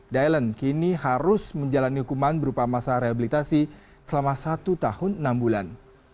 dailand kini harus menjalani hukuman berupa masa rehabilitasi selama satu tahun enam bulan